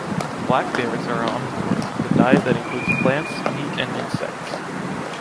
Black bears are omnivores with a diet that includes plants, meat and insects.